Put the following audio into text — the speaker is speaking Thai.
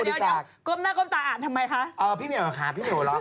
เอาจะส่งถูกไว้แหละ